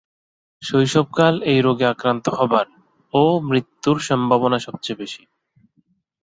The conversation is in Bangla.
শৈশবকাল এই রোগে আক্রান্ত হবার ও মৃত্যুর সম্ভাবনা সবচেয়ে বেশি।